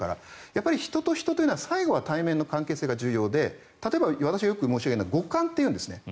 やっぱり人と人というのは最後は対面の関係性が重要で例えば私がよく申し上げるのは五感っていうんですね。